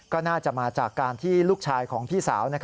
ก็น่าจะมาจากการที่ลูกชายของพี่สาว